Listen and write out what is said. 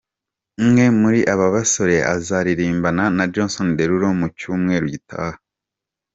Umwe muri aba basore azaririmbana na Jason Daerulo mu cyumweru gitaha.